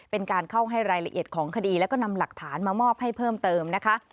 เป็นการเข้าให้รายละเอียดของคดีแล้วก็นำหลักฐานมามอบให้เพิ่มเติมนะคะ